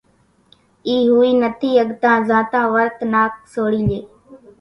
اِي ۿوئي نٿي ۿڳتان زانتان ورت نا سوڙي لئي